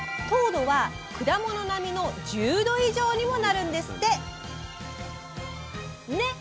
糖度は果物並みの１０度以上にもなるんですって。ね！